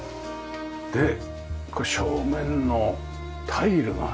でこれ正面のタイルがね。